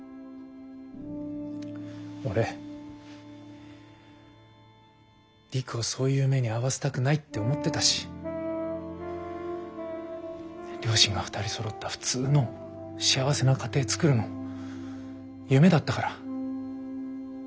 俺璃久をそういう目に遭わせたくないって思ってたし両親が２人そろった普通の幸せな家庭作るの夢だったから。